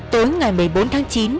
tối ngày một mươi bốn tháng chín